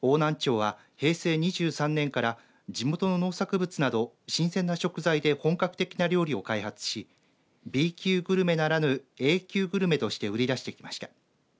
邑南町は平成２３年から地元の農作物など新鮮な食材で本格的な料理を開発しＢ級グルメならぬＡ級グルメとして売り出してきました。